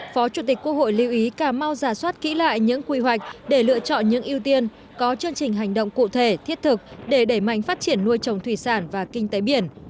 phó chủ tịch quốc hội lưu ý cà mau giả soát kỹ lại những quy hoạch để lựa chọn những ưu tiên có chương trình hành động cụ thể thiết thực để đẩy mạnh phát triển nuôi trồng thủy sản và kinh tế biển